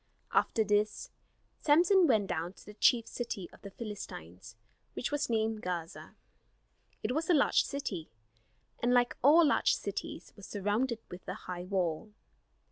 After this Samson went down to the chief city of the Philistines, which was named Gaza. It was a large city; and like all large cities, was surrounded with a high wall.